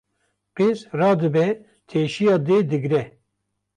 Qîz radibe teşiya dê digre